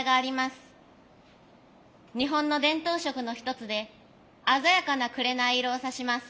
日本の伝統色の一つで鮮やかな紅色を指します。